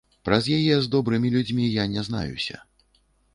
Праз яе з добрымі людзьмі я не знаюся.